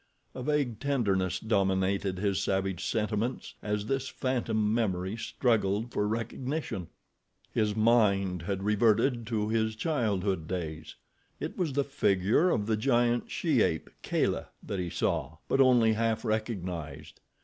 A vague tenderness dominated his savage sentiments as this phantom memory struggled for recognition. His mind had reverted to his childhood days—it was the figure of the giant she ape, Kala, that he saw; but only half recognized.